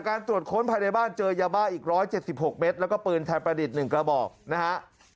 ตรวจค้นภายในบ้านเจอยาบ้าอีก๑๗๖เมตรแล้วก็ปืนไทยประดิษฐ์๑กระบอกนะฮะ